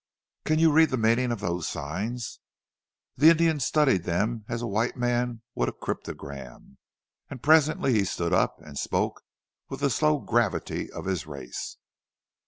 "Can you read the meaning of those signs?" The Indian studied them as a white man would a cryptogram, and presently he stood up, and spoke with the slow gravity of his race.